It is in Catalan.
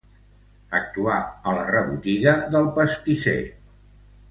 Actuar a la rebotiga del pastisser.